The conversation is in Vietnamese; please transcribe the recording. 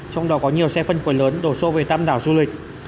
trong đó có nhiều xe phân khối lớn đổ xô về tam đảo du lịch